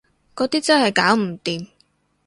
嗰啲真係搞唔掂